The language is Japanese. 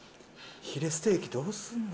ヒレステーキどうすんの？